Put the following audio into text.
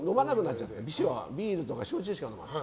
ビールとか焼酎しか飲まない。